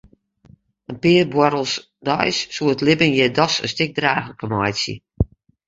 In pear buorrels deis soe it libben hjir dochs in stik draachliker meitsje.